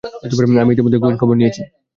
আমি ইতোমধ্যেই খোঁজখবর নিয়েছি।